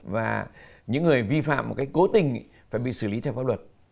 và những người vi phạm một cái cố tình phải bị xử lý theo pháp luật